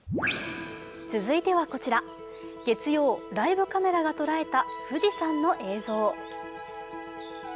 続いてはこちら、月曜、ライブカメラが捉えた富士山の映像。